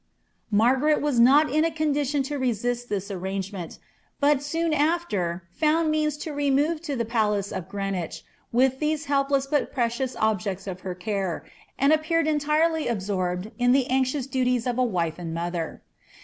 Margaret was not in a condition to resis thie arrangement, but soon aAer found means to remove to the palace of Oreenwicb, with these helpless but precious objects of her care, and , nnpeaied entirely absorbed in the anxious duties of a wife and mother.